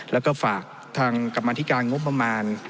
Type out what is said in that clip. แล้วก็ฝากทางกรรมธิการงบประมาณ